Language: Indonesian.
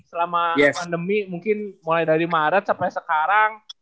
selama pandemi mungkin mulai dari maret sampai sekarang